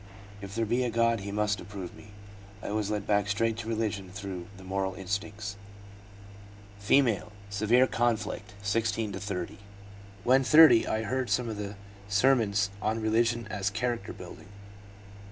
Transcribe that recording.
If there be a God, He must approve me." I was led back straight to religion through the moral instincts.' F. (Severe conflict 16 to 30.) * When 30 I heard some sermons on religion as character building.